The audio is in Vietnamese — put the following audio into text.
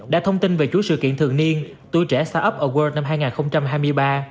đã thông tin về chuỗi sự kiện thường niên tuổi trẻ startup award năm hai nghìn hai mươi ba